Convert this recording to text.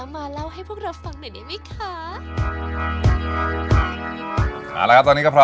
มีประโยคต่อนักก้านของเราเนี่ยใช่ครับ